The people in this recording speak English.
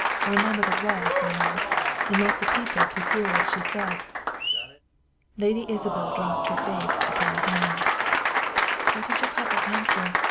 Our mamma that was, you know, and lots of people could hear what she said." Lady Isabel dropped her face upon her hands. "What did your papa answer?"